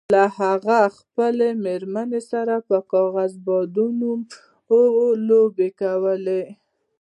هغه له خپلې میرمنې سره پر کاغذي بادامو لوبه کوله.